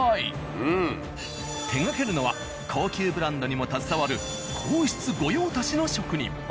手がけるのは高級ブランドにも携わる皇室御用達の職人。